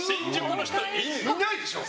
いないでしょ。